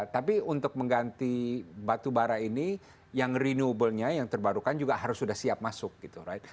tapi untuk mengganti batu bara ini yang renewable nya yang terbarukan juga harus sudah siap masuk gitu right